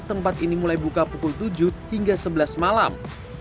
tempat ini mulai buka pukul tujuh hingga sebelas malam